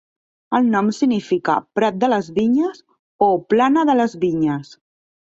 El nom significa "prat de les vinyes" o "plana de les vinyes".